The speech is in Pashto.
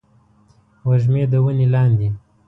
وږمې د ونې لاندې